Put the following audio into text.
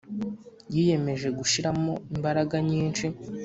yiyemeje gushiramo imbaraga nyinshi